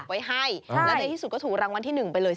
ไว้ให้แล้วในที่สุดก็ถูกรางวัลที่๑ไปเลย